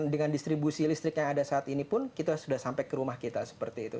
dengan distribusi listrik yang ada saat ini pun kita sudah sampai ke rumah kita seperti itu